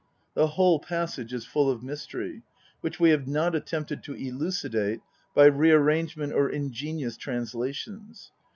The whole passage is full of mystery, which we have not attempted to elucidate by rearrangement or ingenious translations.